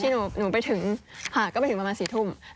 หนูไปถึงค่ะก็ไปถึงประมาณ๔ทุ่ม